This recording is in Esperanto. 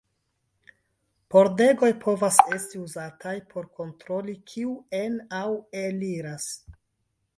Pordegoj povas esti uzataj por kontroli kiu en- aŭ el-iras.